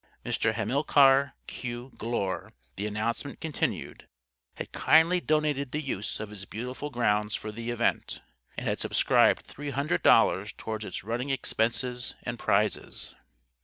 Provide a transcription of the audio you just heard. Mr. Hamilcar Q. Glure, the announcement continued, had kindly donated the use of his beautiful grounds for the Event, and had subscribed three hundred dollars towards its running expenses and prizes.